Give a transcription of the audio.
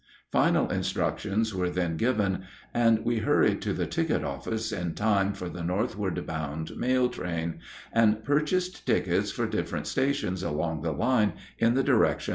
Final instructions were then given, and we hurried to the ticket office in time for the northward bound mail train, and purchased tickets for different stations along the line in the direction of Chattanooga.